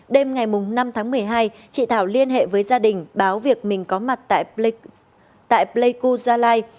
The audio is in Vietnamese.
đêm ngày năm tháng một mươi hai chị thảo liên hệ với gia đình báo việc mình có mặt tại pleiku gia lai